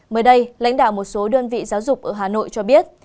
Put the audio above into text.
mới đây lãnh đạo một số đơn vị giáo dục ở hà nội cho biết